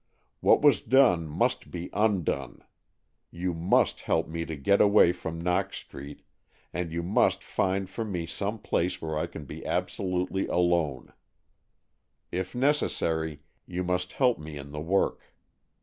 What was done must be undone. You must help me to get away from Knox Street, and you must find for me some place where I can be absolutely alone. If necessary, you must help me in the work.